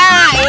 ah ini dia